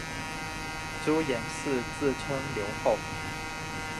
朱延嗣自称留后。